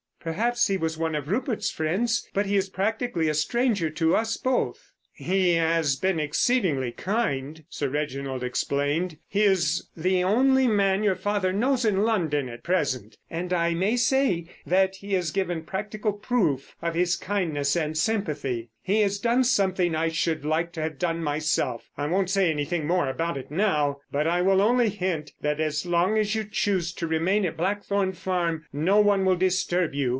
"Perhaps he was one of Rupert's friends, but he is practically a stranger to us both." "He has been exceedingly kind," Sir Reginald explained. "He is the only man your father knows in London at present. And I may say that he has given practical proof of his kindness and sympathy. He has done something I should like to have done myself—I won't say anything more about it now, but I will only hint that as long as you choose to remain at Blackthorn Farm no one will disturb you....